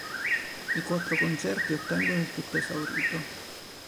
I quattro concerti ottengono il "tutto esaurito".